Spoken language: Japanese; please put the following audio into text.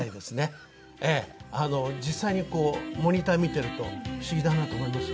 実際にこうモニター見てると不思議だなと思いますよ。